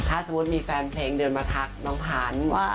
ถ้าสมมุติมีแฟนเพลงเดินมาทักน้องพันธุ์